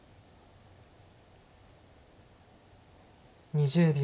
２０秒。